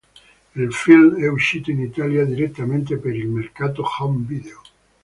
Il film è uscito in Italia direttamente per il mercato home video.